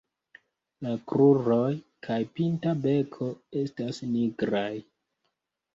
La kruroj kaj pinta beko estas nigraj.